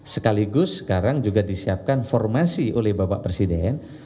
sekaligus sekarang juga disiapkan formasi oleh bapak presiden